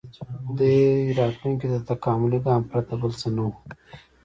• دې راتلونکي ته د تکاملي ګام پرته بل څه نه و.